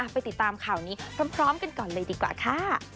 ไปติดตามข่าวนี้พร้อมกันก่อนเลยดีกว่าค่ะ